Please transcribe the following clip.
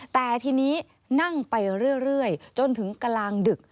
แต่ทีนี้นั่งไปเรื่อยจนถึงกลางดึก